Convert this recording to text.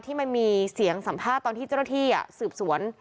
ที่มีเสียงสัมภาษณ์ตอนที่เจ้าหน้าที่สืบสวน